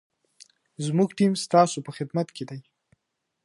زموږ ټیم ستاسو په خدمت کي دی.